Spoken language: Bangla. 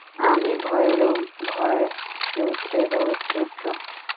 আমি ভয়েরও ভয়, রুদ্রেরও রুদ্র।